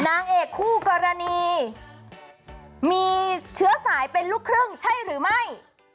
นางเอกคู่กรณีมีเชื้อสายเป็นลูกครึ่งใช่หรือไม่